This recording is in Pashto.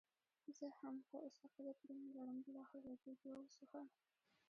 زه هم، خو اوس عقیده پرې نه لرم، بالاخره له دې دوو څخه.